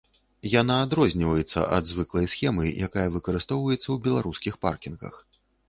Яна адрозніваецца ад звыклай схемы, якая выкарыстоўваецца ў беларускіх паркінгах.